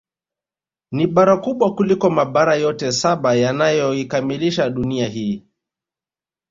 Ni bara kubwa kuliko Mabara yote saba yanayoikamilisha Dunia hii